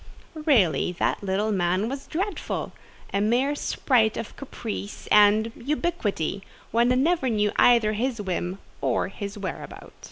Really that little man was dreadful: a mere sprite of caprice and, ubiquity: one never knew either his whim or his whereabout.